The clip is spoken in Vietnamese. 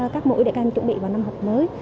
các mũi để các em chuẩn bị vào năm học mới